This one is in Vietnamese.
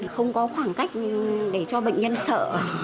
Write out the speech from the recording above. không có khoảng cách để cho bệnh nhân sợ